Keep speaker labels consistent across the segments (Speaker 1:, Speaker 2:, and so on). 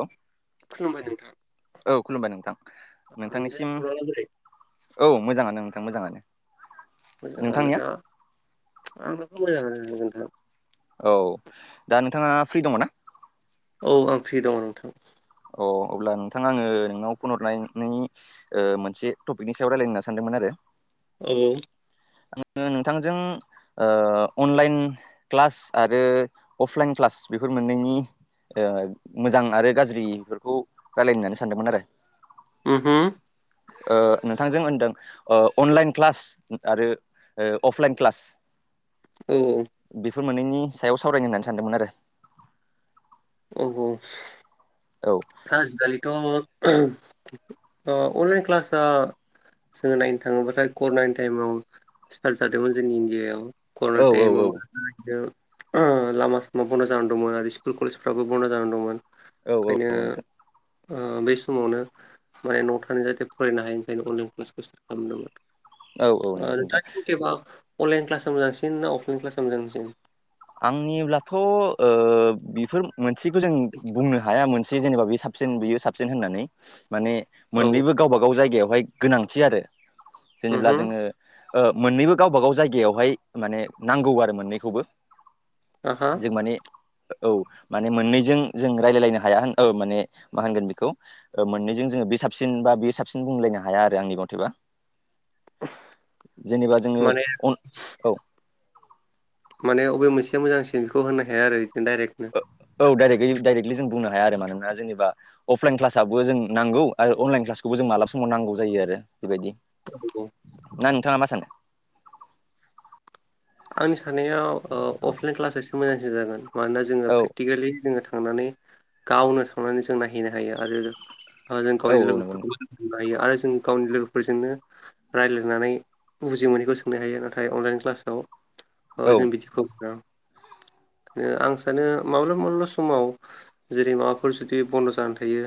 Speaker 1: औ
Speaker 2: खुलुमबाय। नोंथां
Speaker 1: औ खुलुमबाय नोंथां
Speaker 2: नोंथांनि
Speaker 1: नोंथांनिसिम
Speaker 2: खौराङा बोरै
Speaker 1: औ मोजाङानो ओं। नोंथां मोजाङानो। नोंथांनिया
Speaker 2: मोजाङानोना आंनाथ' मोजाङानो नोंथां।
Speaker 1: औ दा नोंथाङा फ्रि दङ ना?
Speaker 2: औ आं फ्रि दङ नोंथां।
Speaker 1: अ अब्ला नोंथां आङो नोंनाव फनहरनायनि ओ मोनसे टपिकनि सायाव रायजलायना सानदोंमोन आरो
Speaker 2: औ।
Speaker 1: आङो नोंथांजों ओ अनलाइन क्लास आरो अफलाइन क्लास बेफोर मोनैनायनि ओ मोजां आरो गाज्रि बेफोरखौ रायज्लायनो होनानै सानदोंमोन आरो
Speaker 2: उम होम।
Speaker 1: ओ नोंथांजों होनदों अ अनलाइन क्लास आरो ओ अफलाइन क्लास
Speaker 2: औ-औ।
Speaker 1: बेफोर मोननैनि सायाव सावरायग होननानै सानदोंमोन आरो
Speaker 2: औ औ।
Speaker 1: औ
Speaker 2: आजिखालिथ' अ अनलाइन क्लासआ जोङो नायनो थाङोब्लाथाय कर'नानि टाइमाव स्टार्ट जादोंमोन जोंनि इण्डिया आयाव करना
Speaker 1: औ
Speaker 2: टाइम
Speaker 1: औ औ
Speaker 2: मनो लामा सामा बन्द' जानानै दंमोन आरो स्कुल कलेजफ्राबो बन्द' जानानै दंमोन।
Speaker 1: औ औ नोंथां।
Speaker 2: ओ बे समावनो माने न' थानाय जाहाथे फरायनो हायो ओंखायनो अनलाइन क्लासखौ स्टार्ट
Speaker 1: औ नंगौ
Speaker 2: खालामदोंमोन।
Speaker 1: नोंथां
Speaker 2: नोंथांथेबा अनलाइन क्लास मोजांसिन ना अफलाइन क्लास मोजांसिन?
Speaker 1: आंनिब्लाथ'ओ बेफोर मोनसेखौ जों बुंनो हाया मोनसे जेनेबा बे साबसिन बियो साबसिन होननानै माने
Speaker 2: औ
Speaker 1: मोननैबो गावबा गाव जायगायाव बेवहाय गोनांथि आरो जेनेब्ला
Speaker 2: उमहो
Speaker 1: जोङो ओ मोन्नैबो गावबा गाव जायगायावहाय माने नांगौ आरो मोननैखौबो
Speaker 2: आहा
Speaker 1: जों माने औ माने मोननैजों जों रायजलायलायनो हाया होन औ माने मा होनगोन बेखौ मोननैजों जों जोङो बे साबसिन बा बे साबसिन बुंलायनो हाया आरो आंनि मथेबा जेनेबा जोङो
Speaker 2: माने
Speaker 1: अ औ
Speaker 2: माने बबे मोनसेया मोजांसिन बेखौ होनो हाया आरो डाइरेक्टनो
Speaker 1: औ औ डाइरेक्ट डाइरेक्ट लि जों बुंनो हाया आरो मानोना जोंनिबा अफलायन ख्लासाबो जोंनो नांगौ आरो अनलायेन ख्लासखौबो नांगौ मालाबा समाव नांगौ जा होयो आरो बेबायदि
Speaker 2: उम
Speaker 1: ना नोंथाङा मा सानो
Speaker 2: आंनि साननायाव ओ अफलाइन क्लास एसे मोजांसिन जागोन मानोना जोङो
Speaker 1: औ
Speaker 2: प्रेकटिकेलि जोङो थां थांनानै गावनो थांनानै जों नायहैनो हायो आरो ओ जों
Speaker 1: औ
Speaker 2: गावनि
Speaker 1: औ नंगौ
Speaker 2: लोगोफोरखौ हायो आरो जों गावनि लोगोफोरजोंनो रायज्लायनानै बुजि मोनैखौ सोंनो हायो नाथाय अनलाइन क्लासाव ओ
Speaker 1: औ
Speaker 2: जों बिदिखौ
Speaker 1: [inaudible]
Speaker 2: बिदिनो आं सानो माब्ला माब्ला समाव जेरै माबाफोर जुदि बन्द' जानानै थायो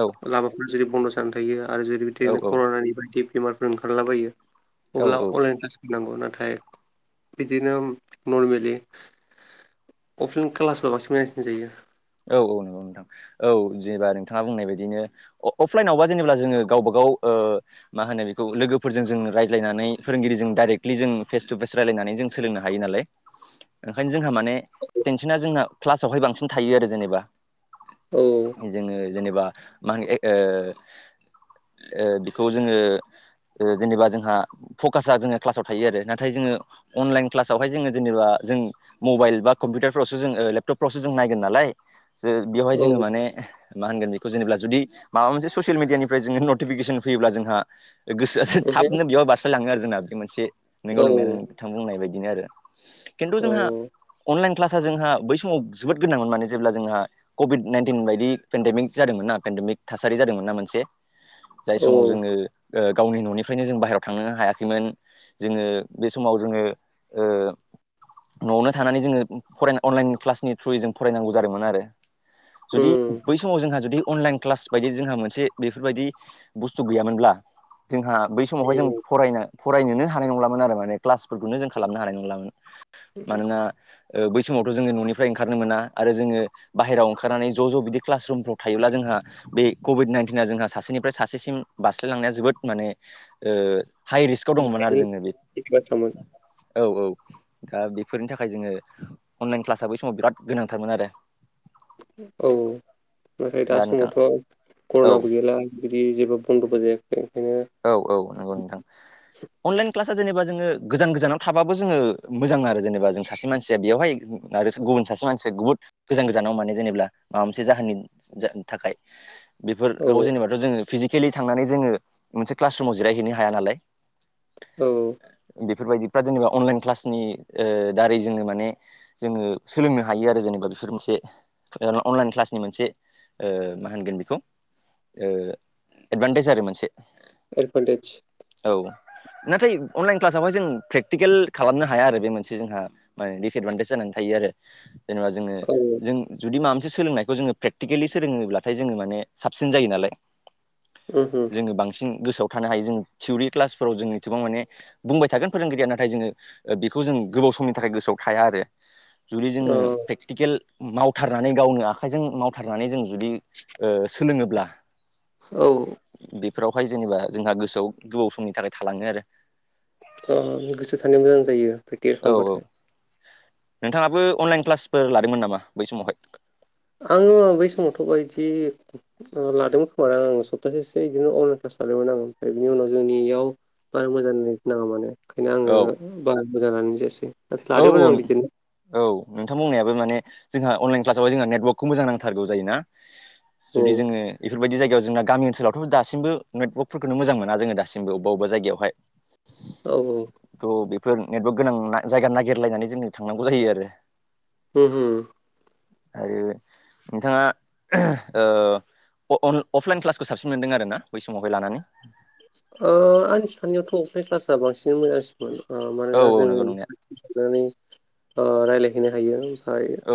Speaker 1: औ
Speaker 2: लामाफोरा जेरै बन्द' जानानै थायो आरो जेरै
Speaker 1: औ
Speaker 2: बिदिनो कर'नानि बायदि बेमारफोर ओंखारलाबायो
Speaker 1: औ
Speaker 2: अब्ला अनलाइन क्लास होनांगौ नाथाय बिदिनो नरमेलि अफलायेन क्लासबा बांसिन मोजां जायो
Speaker 1: औ औ नंगौ नोंथां औ जेनेबा नोंथाङा बुंनाय बायदिनो अफलाइनावबा जेनेबा जोङो गावबा गाव औ ओ मा होनो बेखौ लोगोजों जों रायज्लायनानै फोरोंगिरिजों दायरेक्टलि जों फेसथु फेस रायला नानै जों सोलोंनो हायो नालाय ओंखायनो जोंहा माने टेनसना जोंना क्लासावहाय बांसिन था थायो आरो जेनेबा
Speaker 2: औ
Speaker 1: जोङो जेनेबा माहोन ए ओ ओ बेखौ जोङो जेनेबा जोंहा फकासाआ जोङो क्लासाव थायो आरो नाथाय जोङो अनलाइन क्लाजावहाय जोङो जेनबा जों मबाइल बा कम्पिउटाफ्रावसो ओ लेपटपफ्रावसो जों नालाय जो बेयावहाय
Speaker 2: औ
Speaker 1: जोङो माने मा होनगोन बेखौ जेनेब्ला जुदि माबा मोनसे ससियेल मिडियानिफ्राय जोङो नटिफिकेसन फैयोब्ला जोंहा गोसोआ थाबनो बेयाव बारस्लायलाङो आरो जोंना बे मोनसे नंगौ
Speaker 2: ओहो
Speaker 1: नंनाया नोंथां बुंनाय बायदि बेनो आरो खिन्थु
Speaker 2: औ
Speaker 1: जोंहा अनलाइन क्लास जोंहा बै समाव जोबोद गोनांमोन माने जेब्ला जोंहा कभिड नाइनटिन बायदि पेडेमिक जादोंमोन मोना पेेनडेमिक थासारि जादोंमोन ना मोनसे जाय
Speaker 2: औ
Speaker 1: समाव जोङो ओ गावनि ननिफ्रायनो जों बाहेरायाव थांनो हायाखैमोन जोङो बे समाव जोङो ओ न'आवनो थानानै जोङो फराय अनलाइन क्लासनि थ्रुयै जों फरायनांगौ जादोंमोन आरो
Speaker 2: उम
Speaker 1: जुदि बै समाव जोंहा जुदि अनलाइन क्लास बायदि जोंहा मोनसे बेफोरबायदि बुस्थु गैयामोनब्ला जोंहा बै समावहाय जों फरायनो फरायनोनो हानाय नंलामोन आरो माने क्लासफोरखौनो जों खालामनो हानाय नंलामोन मानोना बै सम समावथ जों ननि फ्राय ओंखारनो मोना आरो जोङो बाहेराव ओंखारनानै ज ज बिदि क्लास रुमफ्राव थायोब्ला जोंहा बे कभिड नाइनटिना जोंहा सासेनिफ्राय सासेसिम बारस्लायलांनाया जोबोद माने ओ हाइ रिस्कआव दंमोन आरो
Speaker 2: गिनायनि
Speaker 1: जों बे
Speaker 2: गिनाय बाथ्रामोन
Speaker 1: औ औ दा बेफोरनि थाखाय जोङो अनलाइन क्लासआ बै समाव बिराद गोनांथारमोन आरो
Speaker 2: औ नाथाय दा समावथ
Speaker 1: औ
Speaker 2: करनाबो गैला बिदि जेबो बन्दबो जायाखै ओंखायनो
Speaker 1: औ औ नंगौ नोंथां अनलाइन क्लासा जेनेबा जोङो गोजान गोजानाव थाबो जोङो मोजां आरो जेनेबा जों सासे मानसिया बेयावहाय आरो गुबुन सासे मानसिया बहुत गोजान गोजानाव माने जेनेब्ला माबा मोनसे जाहोननि थाखाय
Speaker 2: औ
Speaker 1: बेफोराव जेनेबाथ जोङो फिजिकेलि थांनानै जोङो मोनसे क्लास रुमाव जिरायहैनो हाया नालाय
Speaker 2: औ
Speaker 1: बेफोरबायदिफ्रा जेनेबा अनलाइन क्लासनि ओ दारै जोङो माने जोङो सोलोंनो हायो आरो जेनेबा बेफोर मोनसे अनलाइन क्लासनि मोनसे ओ मा होनगोन बेखौ एडभान्टेज आरो मोनसे
Speaker 2: एडभान्टेज
Speaker 1: औ नाथाय अनलाइन क्लासावहाय जों प्रेकटिकेल खालामनो हाया आरो बे मोनसे जोंहा माने दिसएदभान्टेज जानानै थायो रो
Speaker 2: औ
Speaker 1: जेनेबा जोङो सोलोंनायखौ जोङो प्रेकटिकेलि सोलोङोब्लाथाय जोङो माने साबसिन जायो नालाय
Speaker 2: उम
Speaker 1: जोङो बांसिन गोसोआव थानो हायो जों थियरि क्लासफोराव जों ए गोबां माने बुंबाय थागोन फोरोंगिरिया नाथाय जोङो बेखौ जोो गोबाव समनि थाखाय गोसोआव थाया आरो जुदि जोङो
Speaker 2: औ
Speaker 1: प्रेकटिकेल माव थारनानै गावनो आखाइजों मावथारनानै जों जुदि सोलोङोब्ला
Speaker 2: औ
Speaker 1: बेफोरावहाय जेनेबा जोंहा गोसोआव गोबाव समनि थाखाय थालाङो आरो
Speaker 2: गोसो थानाया मोजां जायो प्रेकटियस
Speaker 1: औ औ
Speaker 2: खालामबाथाय
Speaker 1: नोंथाङाबो अनलाइन क्लासफोर लादोंमोन नामा बै समावहाय
Speaker 2: आङो बै समावथ' बायदि लादोंमोन खोमारा आं सप्तासेसो बिदिनो अनलाइन क्लास आगोलाव नाङोमोन ओमफाय बिनि उनाव जोंनि इयाव बारा मोजां नाङा माने ओंखायनो
Speaker 1: औ
Speaker 2: आङो बारा मोजां लानो जायासै नाथाय
Speaker 1: औ
Speaker 2: लादोंमोन
Speaker 1: औ
Speaker 2: आं बिदिनो
Speaker 1: औ नोंथांमोननायाबो माने जोंहा अनलाइन क्लासाव जोंहा नेटवारर्कखौ मोजां नांथारगौ जायोना
Speaker 2: औ
Speaker 1: जुदि जोङो बेफोरबायदि जायायाव जों गामि ओनसोलावथ' दासिमबो नेटवर्कफोरखौ मोजां मोना जोङा दासिमो अब्ला अबेबा जायगायावहाय
Speaker 2: औ औ
Speaker 1: फोर नेटवर्क गोनां जायगा नागिरलायनानै जोङो थांनांगौ जायो आरो
Speaker 2: उम उम
Speaker 1: आरो नोंथाङा ओ अन अफलाइन क्लासखौ साबसिन मोनदों आरोोना बै समावहाय लानानै
Speaker 2: आंनि साननायावथ' अफलाइन क्लासआ बांसिन मोजांसिन
Speaker 1: औ
Speaker 2: मानोना
Speaker 1: औ
Speaker 2: जोङो
Speaker 1: नंगौ नंनाया
Speaker 2: साननानै रायलायहैनो हायो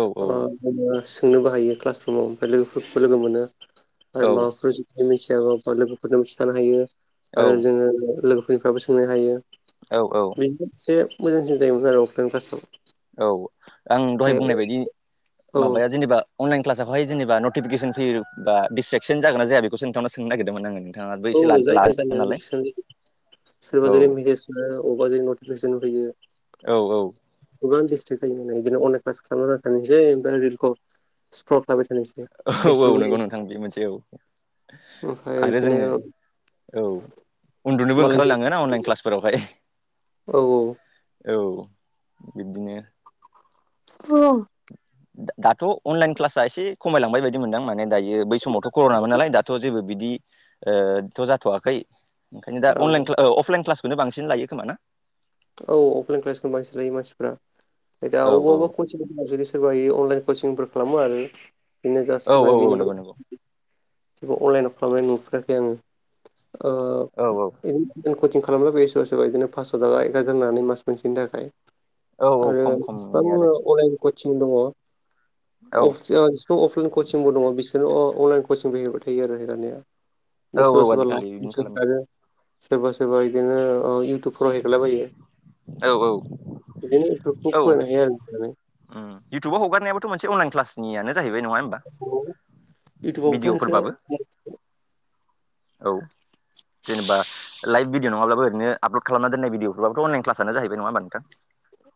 Speaker 1: औ औ
Speaker 2: सोंनोबोाहायो क्लास रुमाव ओमफ्राय लोगोफोरखौ लोगो मोनो आरो
Speaker 1: औ
Speaker 2: माबाफोर जुदि मिथियाबाा लोगोफोरनो खिथानो हायो
Speaker 1: औ
Speaker 2: आरो जोङो लोगोफोर निफ्राबो सोंनो हायो
Speaker 1: औ औ
Speaker 2: बेनि एसे मोजांसिन जायोमोन आरो अफलाइन क्लासाव
Speaker 1: औ आं दहाय
Speaker 2: ओमफ्राय
Speaker 1: बुंनाय बायदि
Speaker 2: औ
Speaker 1: माबाया जेनेबा अनलाइन्लाावहाय जेनबा नटिफिकेसन फैयो बा ड्सट्रेकसन जागोना जाया बेखौसो नोंथांनाव सोंनो नागिरदोंमोन आङो नोंथाङाबो
Speaker 2: औ
Speaker 1: एसे
Speaker 2: जायो
Speaker 1: लादों
Speaker 2: जायो आं
Speaker 1: नालाय
Speaker 2: स
Speaker 1: औ
Speaker 2: सोरबा जुदि मेसेज होयो अबेबा जु नटिफिकेसन होयो
Speaker 1: औ औ
Speaker 2: गोबां डिस्ट्रेक्ट जायो नालाय बिदिनो अनलाइन क्लास खालामनाां थानोसै ओमफ्राय रिल स् थाबाय थानोसै
Speaker 1: औ औ
Speaker 2: फेसबुक
Speaker 1: नंगौ नोंथां बे मोनसे औ
Speaker 2: ओमफ्राय
Speaker 1: आरो
Speaker 2: बिदिनो
Speaker 1: जोङो औ उन्दुनोबो
Speaker 2: मालायनि
Speaker 1: ओंखारलाङ ना अनलाइन क्लासफोरावहाय
Speaker 2: औ औ
Speaker 1: औ बिब्दिनो
Speaker 2: अ
Speaker 1: दाथ' अनलाइन क्लास एसे खमायलांबाय बायदि मोनदों माने दायो बै समावथ' कर'नामोन नालाय दाथ' जेबो बिदिथ' ओ जाथ'वाखै ओंखायनो दा
Speaker 2: औ
Speaker 1: अनलाइन आअफलाइन क्लासखौनो बांसिन लायो खोमा ना
Speaker 2: औ अफलाइन क्लासखौनो बांसिन लायो मानसिफ्रा दा
Speaker 1: औ
Speaker 2: अब
Speaker 1: औ
Speaker 2: अबा क सोरब ए अनलाइन कचिंफोर खालामो आरो
Speaker 1: औ औ औ नंगौ नंगौ
Speaker 2: जेबो अनलाइनाव खालामनाय नुफेराखै
Speaker 1: औ औ
Speaker 2: आङो जों कचिं खालामब्ला बेसेबा सोरबा बिदिनो पासस' थाखा एकगा जनानै मास मोनसेनि थाखाय
Speaker 1: औ औ
Speaker 2: आरो
Speaker 1: खम खम
Speaker 2: बेसेबां
Speaker 1: नुयो आरो
Speaker 2: अराय दङ
Speaker 1: औ
Speaker 2: जेसिबां अफलाइन कचिंबो दङ बिसि बि अनलाइन कचिंबो हैबाय थायो आरो
Speaker 1: औ
Speaker 2: सोरबा
Speaker 1: औ
Speaker 2: सोरबा
Speaker 1: आजिखालि
Speaker 2: लाइ
Speaker 1: बिदिनो खालामो
Speaker 2: सोरबा सोरबा बिदिनो इउटुबफोराव हेगारलाबायो
Speaker 1: औ
Speaker 2: बिदिनो इउटुबखौ
Speaker 1: औ औ
Speaker 2: फरायनो हायो आरो नानै
Speaker 1: इउटुबाव हगारनायाबोथ' मोनसे अनलाइन क्लास जाहैबाय नङा हबा
Speaker 2: इउटुबावबोथ' मोनसे
Speaker 1: भिडअफोरबो औ जेनेबा लाइभ भिडिअ' नङाब्लाबो ओरैनो आपल'ड खालामना दोननाय भिअफोरखौब्लाथ' अनलाइन कसआ जाहैबाय नङा हमबा नोंथां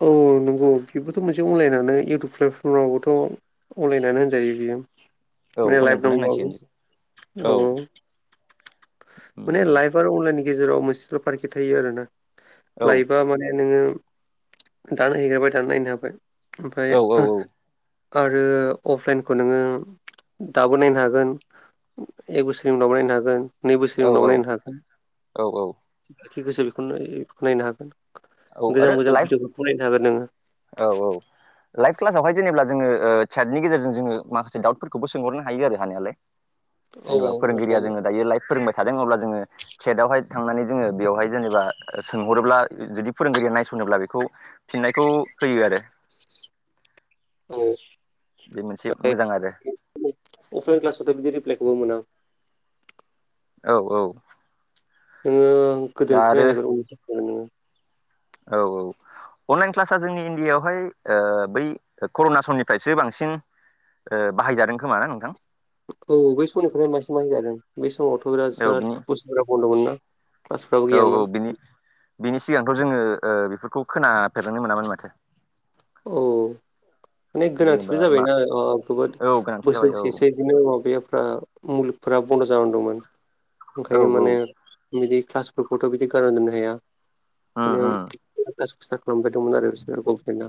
Speaker 2: औ नंगौ बेबोथ' मोनसे अनलाइनानो इयउटुब प्लेटफर्मावबोथ' अनलाइनानो होनजायो बे
Speaker 1: औ
Speaker 2: मे लाइफ
Speaker 1: अनलाइनखौनो
Speaker 2: दंबावो
Speaker 1: होनांसिगोन
Speaker 2: औ औ माने
Speaker 1: बेनो
Speaker 2: लाइफ आरो अनलाइननि गेजेराव मोनसेल' फारखि थायो आरो ना
Speaker 1: औ
Speaker 2: लाइफा माने नोङो दानो हैैगारबाय दानो नायनो हाबाय ओमफाय
Speaker 1: औ औ
Speaker 2: आरो अफलाइनखौ नोङो दाबो नायनो हागोन एक बोसोरनि उनावबो नायनो हागोन नै बोसोरनि
Speaker 1: औ
Speaker 2: उन दाव नायनो हागोन
Speaker 1: औ औ
Speaker 2: जि गोसो बेखौनो नायनो हागोन।
Speaker 1: औ आरो
Speaker 2: गोजाम गोजाम
Speaker 1: लाइभ
Speaker 2: भिडियअखौ फरायनो हागोन
Speaker 1: औ
Speaker 2: नोङो
Speaker 1: औ लाइभ क्लासावहाय जेनेब्ला जोङो चेटनि गेजेरजों जोङो माखासे दडाउटफोरखौबो सोंहरनो हायो आरो हानायालाय
Speaker 2: औ
Speaker 1: जेनेबा फोरोंगिरिया
Speaker 2: नाथाय
Speaker 1: जोङो दायो लाइभ फोरोंबाय थादों अब्ला जोङो। टेथहाव हाय थांनानै जोङो बेयावहाय जेनेबा सोंहरोब्ला जुदि। फोरोंगिरिया नायस'नोब्ला बेखौ फिननायखौ होयो आरो।
Speaker 2: [unintelligible]
Speaker 1: बे मोनसे मोजां आरो
Speaker 2: क्लास [unintelligible]
Speaker 1: औ औ।
Speaker 2: नोङो
Speaker 1: दा
Speaker 2: गोदोनिखौ
Speaker 1: आरो
Speaker 2: नायनांगोन [unintelligible]
Speaker 1: औ औ। अनलाइन क्लास जोंनि इण्डियावहाय ओ बै कर'ना समनिफ्रायसो बांसिन। ओ बाहायजादों खोमा ना नोंथां।
Speaker 2: औ बै समनिफ्रायनो मासि मा जादों बे समावथ' बिराद
Speaker 1: औ बिनि
Speaker 2: जराद बुजा बन्द'मोन ना [unintelligible] क्लासफोयाबो
Speaker 1: औ
Speaker 2: गैयामोन।
Speaker 1: बिनि बिनि सिगांथ' जोङो ओ बेफोरखौ खोनाफेरनो मोनामोन माथो।
Speaker 2: औ। माने गोनांथिबो
Speaker 1: जेनेबा मा
Speaker 2: जाबायना ओ गोबोद
Speaker 1: औ गोनांथि जाबाय औ
Speaker 2: बोसोरसेसो बिदिनो माबाया। ओ मुलुगफोरा बन्द' जालां दंमोन
Speaker 1: औ
Speaker 2: ओंखायनो
Speaker 1: औ
Speaker 2: माने बिदि। क्लासफोरखौथ' बिदि गारना दोननो हाया
Speaker 1: उम उम
Speaker 2: [unintelligible] खालामबायदोंमोन आरो बिसोर गभमेन्टआ।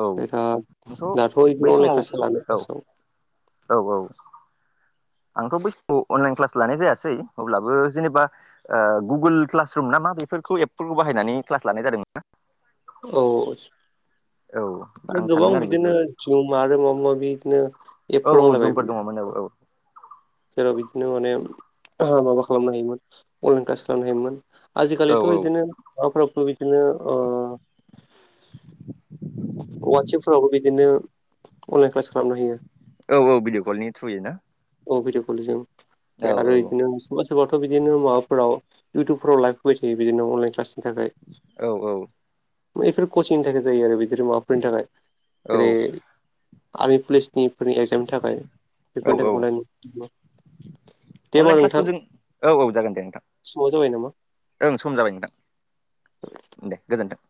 Speaker 1: औ
Speaker 2: बिराद
Speaker 1: आंथ'
Speaker 2: दाथ' बिदि
Speaker 1: बै
Speaker 2: अनलाइन
Speaker 1: समाव
Speaker 2: क्लास जालानो
Speaker 1: औ।
Speaker 2: क्लासाव
Speaker 1: औ औ। अनलाइन क्लास लानाय जायासै अब्लाबो जेनोबा ओ गुगोल क्लास दं नामा बेफोरखौ एप्रुब बाहायनानै क्लास लानाय जादोंमोन ना।
Speaker 2: औ।
Speaker 1: औ
Speaker 2: आरो
Speaker 1: आं
Speaker 2: गोबां
Speaker 1: सानदों
Speaker 2: बिदिनो
Speaker 1: बेफोरबायदि
Speaker 2: जुम आरो माबा माबि बिदिनो।
Speaker 1: औ
Speaker 2: एपफोर
Speaker 1: औ
Speaker 2: दंलाबाय
Speaker 1: जुमफोर दङमोनो औ।
Speaker 2: जेराव बिदिनो माने आहा माबा खालामनो हायोमोन अनलाइन क्लास खालामनो हायोमोन।
Speaker 1: औ
Speaker 2: आजिखालिथ'
Speaker 1: औ
Speaker 2: बिदिनो माबाफ्राबोथ' बिदिनो ओ। वाटसाबफोरावबो बिदिनो अनलाइन क्लास खालामना होयो।
Speaker 1: औ औ भिडिअ कलनि थ्रुयै ना।
Speaker 2: अ भिडिअ कलिजों
Speaker 1: औ
Speaker 2: फ्राइ‌
Speaker 1: औ
Speaker 2: आरो बिदिनो समाज सोरबाथ' बिदिनो माबाफोराव इउतुबफोराव लाइभ फैबाय थायो बिदिनो अनलाइन क्लास।
Speaker 1: औ औ।
Speaker 2: बेफोर कचिंनि थाखाय जायो आरो बिफोर माबाफोरनि थाखाय
Speaker 1: औ
Speaker 2: जेरै आर्मि, पुलिस। नि एकजामनि थाखाय
Speaker 1: औ
Speaker 2: बेफोरनि
Speaker 1: औ
Speaker 2: थाखाय अनलायन
Speaker 1: अनलाइन क्लासखौ जों औ औ जागोन दे नोंथां।
Speaker 2: समाबो जाबाय नामा
Speaker 1: ओं सम जाबाय नोंथां दे गोजोनथों।